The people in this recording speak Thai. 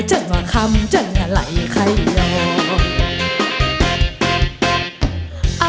จนหว่างคำจนหลายใครโล